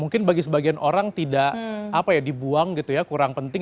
mungkin bagi sebagian orang tidak apa ya dibuang gitu ya kurang penting